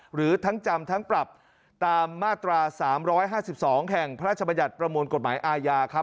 หรือทั้งจำทั้งปรับตามมาตรา๓๕๒แห่งพระราชบัญญัติประมวลกฎหมายอาญาครับ